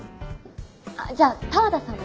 あっじゃあ多和田さんも？